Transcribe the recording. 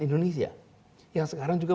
indonesia yang sekarang juga